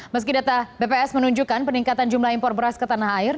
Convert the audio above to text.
meski data bps menunjukkan peningkatan jumlah impor beras ke tanah air